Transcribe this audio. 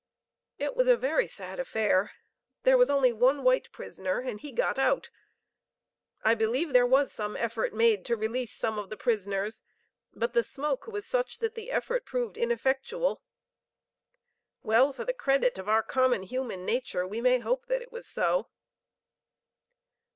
"It was a very sad affair. There was only one white prisoner and he got out. I believe there was some effort made to release some of the prisoners; but the smoke was such that the effort proved ineffectual. Well, for the credit of our common human nature we may hope that it was so.